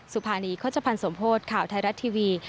สุภานีโฆษภัณฑ์สมโพธิ์ข่าวไทยรัฐทีวี